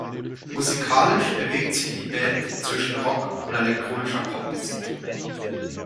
Musikalisch bewegte sich die Band zwischen Rock- und elektronischer Popmusik.